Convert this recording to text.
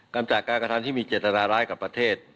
กำจากการกระทั่งที่มีเจ็ดนาร้ายกับประเทศ